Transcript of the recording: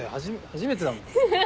初めてだもん。